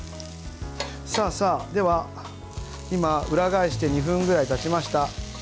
では、今裏返して２分ぐらいたちました。